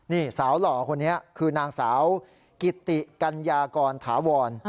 นี่สาวหล่อคนนี้คือนางสาวกิติกัญญากรถาวร